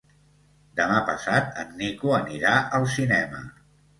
Demà passat en Nico anirà al cinema.